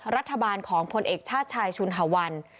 รัฐบาลของพลเอกชาติชายชุนหาวัน